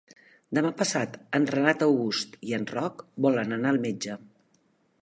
Demà passat en Renat August i en Roc volen anar al metge.